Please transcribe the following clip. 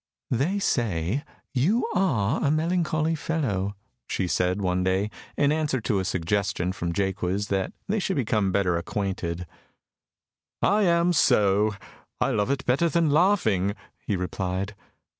"They say you are a melancholy fellow," she said one day, in answer to a suggestion from Jaques that they should become better acquainted. "I am so; I love it better than laughing," he replied.